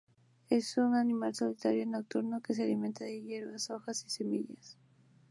Es un animal solitario y nocturno que se alimenta de hierba, hojas y semillas.